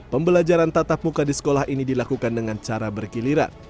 pembelajaran tatap muka di sekolah ini dilakukan dengan cara berkiliran